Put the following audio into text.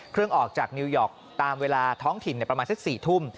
เครื่องออกจากนิวยอร์กตามเวลาท้องถิ่นประมาณ๑๔ทุ่ม